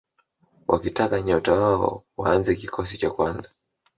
wakitaka nyota wao waanze kikosi cha kwanza